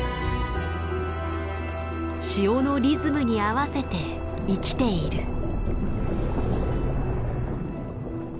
潮のリズムに合わせて生きている。